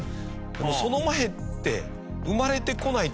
でもその前って。